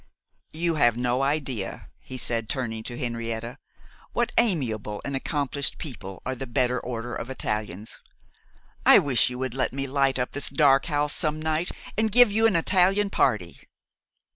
'You have no idea,' he said, turning to Henrietta, 'what amiable and accomplished people are the better order of Italians. I wish you would let me light up this dark house some night, and give you an Italian party.